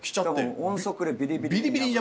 音速でビリビリに。